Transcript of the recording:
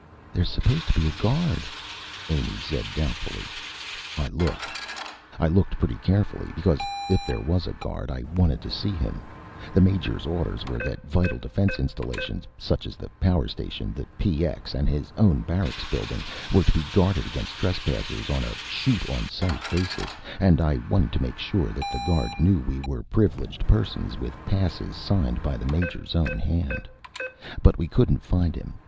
"There's supposed to be a guard," Amy said doubtfully. I looked. I looked pretty carefully, because if there was a guard, I wanted to see him. The Major's orders were that vital defense installations such as the power station, the PX and his own barracks building were to be guarded against trespassers on a shoot on sight basis and I wanted to make sure that the guard knew we were privileged persons, with passes signed by the Major's own hand. But we couldn't find him.